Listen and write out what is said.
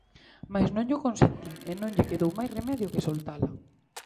Mais non llo consentín e non lle quedou máis remedio que soltala.